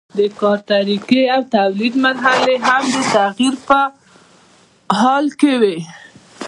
د کار طریقې او د تولید مرحلې هم د تغییر په حال کې وي.